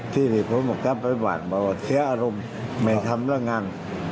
ที่นี่ผมก็กลับไปบาดเพราะว่าเสียอารมณ์ไม่ทำเรื่องงาน